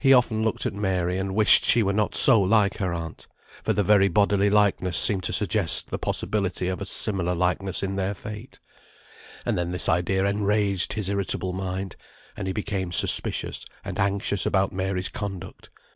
He often looked at Mary, and wished she were not so like her aunt, for the very bodily likeness seemed to suggest the possibility of a similar likeness in their fate; and then this idea enraged his irritable mind, and he became suspicious and anxious about Mary's conduct.